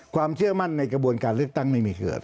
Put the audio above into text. ความเชื่อมั่นในกระบวนการเลือกตั้งไม่มีเกิด